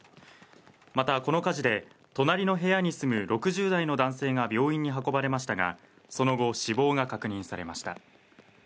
また、この火事で隣の部屋に住む６０代の男性が病院に運ばれましたが、その後、死亡が確認されました。